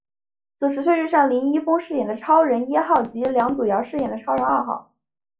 此时却遇上林一峰饰演的超人一号及梁祖尧饰演的超人二号。